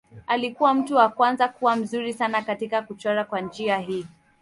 Alikuwa mtu wa kwanza kuwa mzuri sana katika kuchora kwa njia hii.